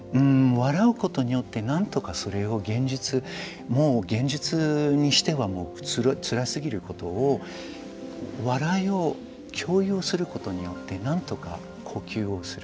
笑うことによってなんとかそれを現実にしてはつらすぎることを笑いを共有することによってなんとか呼吸をする。